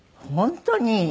本当に。